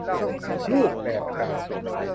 รูปแบบการ